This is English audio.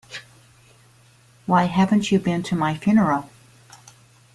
Why haven't you been to my funeral?